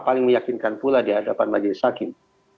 paling meyakinkan pula di hadapan bajaj sakin